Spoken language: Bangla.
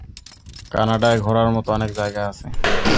কানাডায় ঘোরার মতো অনেক জায়গা আছে।